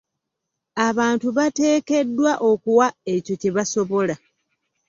Abantu bateekeddwa okuwa ekyo kye basobola.